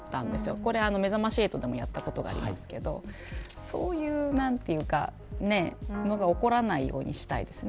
これは、めざまし８でもやったことがありますけどそういうことが起こらないようにしたいですね。